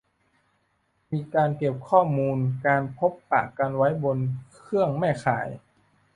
มีการเก็บข้อมูลการพบปะกันไว้บนเครื่องแม่ข่าย